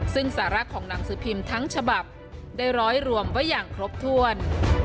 ซึ่งสาระของหนังสือพิมพ์ทั้งฉบับได้ร้อยรวมไว้อย่างครบถ้วน